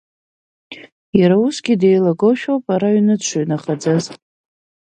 Иара усгьы деилагоушәоуп ара аҩны дшыҩнахаӡаз.